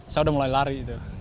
saya udah mulai lari